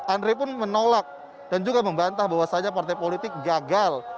andre pun menolak dan juga membantah bahwasannya partai politik gagal